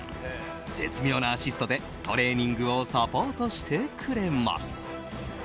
絶妙なアシストでトレーニングをサポートしてくれます。